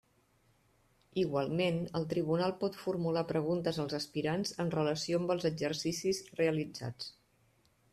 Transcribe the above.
Igualment, el Tribunal pot formular preguntes als aspirants en relació amb els exercicis realitzats.